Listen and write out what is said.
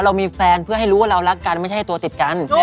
เรามีแฟนเพื่อให้รู้ว่าเรารักกันไม่ใช่ตัวติดกัน